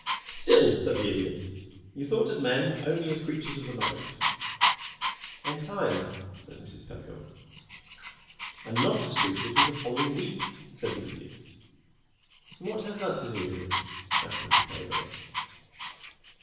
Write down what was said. "Still," said the Idiot, "you thought of men only as creatures of the moment " "Entirely," said Mrs. Pedagog. "And not as creatures of the week following," said the Idiot. "What has that to do with it?" asked Mrs. Pedagog.